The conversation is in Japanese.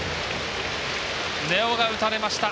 根尾が打たれました。